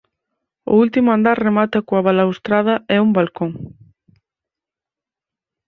O último andar remata coa balaustrada e un balcón.